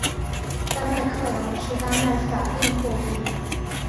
丹麦克朗是丹麦的法定货币。